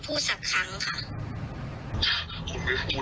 ตอนทำตอนทำคุณก็รู้สึกดี